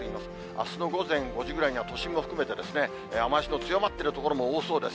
あすの午前５時ぐらいには、都心も含めて、雨足の強まっている所も多そうです。